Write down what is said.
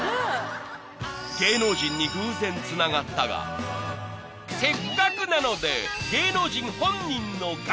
［芸能人に偶然つながったがせっかくなので］